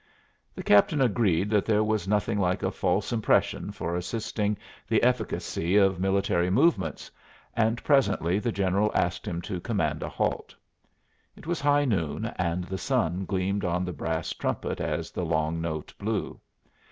The captain agreed that there was nothing like a false impression for assisting the efficacy of military movements, and presently the General asked him to command a halt. It was high noon, and the sun gleamed on the brass trumpet as the long note blew.